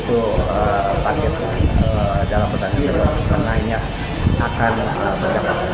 itu target dalam petangki yang menangnya akan banyak